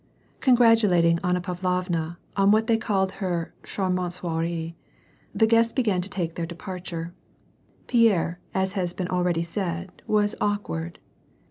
CoNGRATUiiATiNG Anna Pavlovna on what they called her eharmante soireey the guests began to take their departure. Pierre, as has been already said, was awkward.